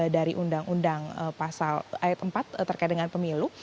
dari undang undang pasal ayat empat terkait dengan pemilu